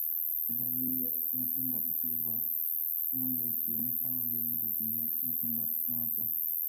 Kindapiyo ngetundo, kibwa kimaketienik akokeny kobiyo ngetundo noto